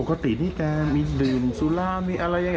ปกตินี่แกมีดื่นสุรามีอะไรอย่างนี้